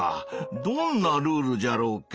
どんなルールじゃろうか？